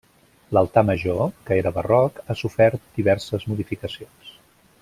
L'altar major, que era barroc, ha sofert diverses modificacions.